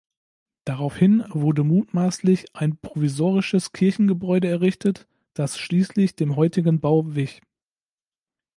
Daraufhin wurde mutmaßlich ein provisorisches Kirchengebäude errichtet, das schließlich dem heutigen Bau wich.